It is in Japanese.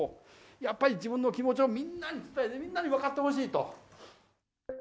やっぱり自分の気持ちをみんなに、みんなに分かってほしいと。